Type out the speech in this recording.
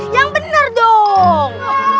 yang bener dong